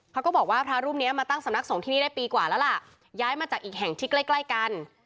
เขาก็บอกว่าพระรูปนี้มาตั้งสำนักสงฆ์ที่นี่ได้ปีกว่าแล้วล่ะย้ายมาจากอีกแห่งที่ใกล้ใกล้กัน